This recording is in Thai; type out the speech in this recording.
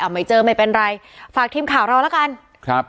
ไม่เจอไม่เป็นไรฝากทีมข่าวเราแล้วกันครับ